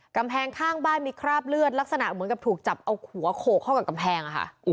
กำแพงข้างบ้านมีคราบเลือดลักษณะเหมือนกับถูกจับเอาหัวโขกเข้ากับกำแพงอะค่ะ